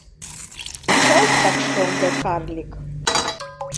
Чылтак шоҥго карлик.